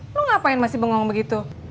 lo ngapain masih bengong begitu